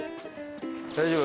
大丈夫？